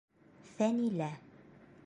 Фәнилә